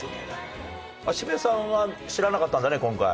渋谷さんは知らなかったんだね今回。